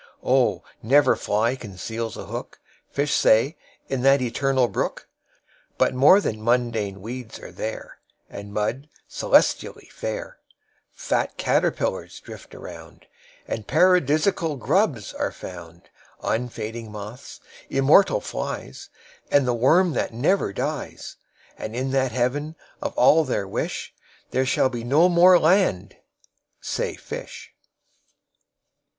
25Oh! never fly conceals a hook,26Fish say, in the Eternal Brook,27But more than mundane weeds are there,28And mud, celestially fair;29Fat caterpillars drift around,30And Paradisal grubs are found;31Unfading moths, immortal flies,32And the worm that never dies.33And in that Heaven of all their wish,34There shall be no more land, say fish.